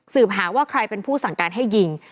หาว่าใครเป็นผู้สั่งการให้ยิง